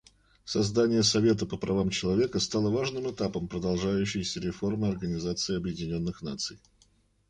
Создание Совета по правам человека стало важным этапом продолжающейся реформы Организации Объединенных Наций.